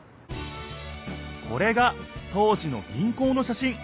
これが当時の銀行のしゃしん。